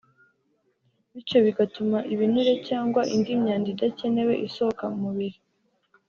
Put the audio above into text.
bityo bigatuma ibinure cyangwa indi myanda idakenewe isohoka mu mubiri